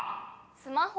「スマホ」？